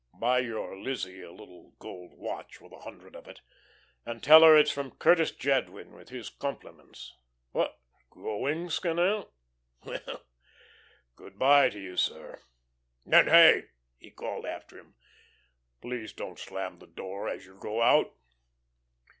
Buy your Lizzie a little gold watch with a hundred of it, and tell her it's from Curtis Jadwin, with his compliments.... What, going, Scannel? Well, good by to you, sir, and hey!" he called after him, "please don't slam the door as you go out."